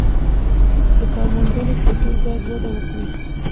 د کارموندنې کلتور باید وده وکړي.